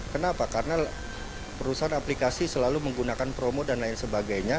kenapa karena perusahaan aplikasi selalu menggunakan promo dan lain sebagainya